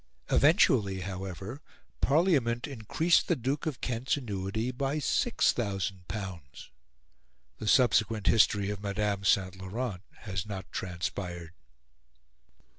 Eventually, however, Parliament increased the Duke of Kent's annuity by L6000. The subsequent history of Madame St. Laurent has not transpired.